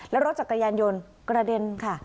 แล้วรถจักรยานยนต์กระเด็นค่ะ